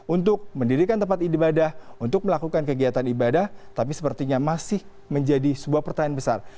untuk mendirikan tempat ibadah untuk melakukan kegiatan ibadah tapi sepertinya masih menjadi sebuah pertanyaan besar